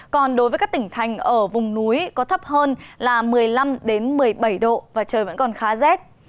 còn đối với các tỉnh thành ở vùng núi có thấp hơn là một mươi năm một mươi bảy độ và trời vẫn còn khá rét